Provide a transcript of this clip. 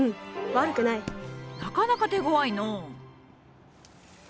なかなか手ごわいのう。